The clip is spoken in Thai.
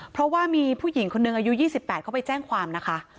เพราะว่ามีผู้หญิงคนนึงอายุ๒๘เขาไปแจ้งความนะคะ